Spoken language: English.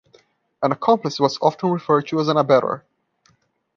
An accomplice was often referred to as an abettor.